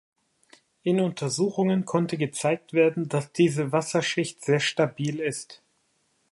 In Untersuchungen konnte gezeigt werden, dass diese Wasserschicht sehr stabil ist.